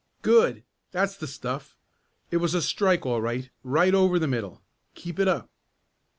"Good! That's the stuff. It was a strike all right right over the middle. Keep it up."